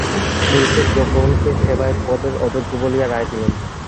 মুনসেফ জগমোহনকে সেবায়েত-পদের অযোগ্য বলিয়া রায় দিলেন।